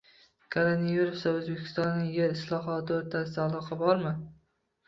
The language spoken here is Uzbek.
Koronavirus va O‘zbekistonning yer islohoti o‘rtasida aloqa bormi?